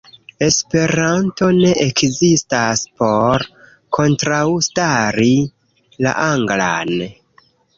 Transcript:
Esperanto ne ekzistas por kontraŭstari la anglan.